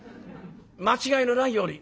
間違いのないように。ね？